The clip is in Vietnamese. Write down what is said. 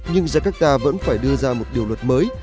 nhưng jakarta vẫn phải đưa ra một điều luật mới